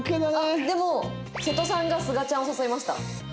でも瀬戸さんがすがちゃんを誘いました。